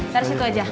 taruh di situ aja